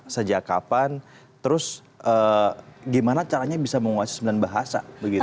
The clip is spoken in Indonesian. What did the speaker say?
sejak kapan terus gimana caranya bisa menguasai sembilan bahasa